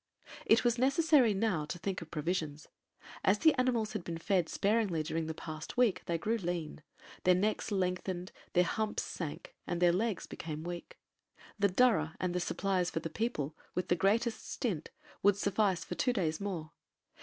It was necessary now to think of provisions. As the animals had been fed sparingly during the past week they grew lean; their necks lengthened, their humps sank, and their legs became weak. The durra and the supplies for the people, with the greatest stint, would suffice for two days more.